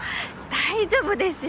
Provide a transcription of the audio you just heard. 大丈夫ですよ。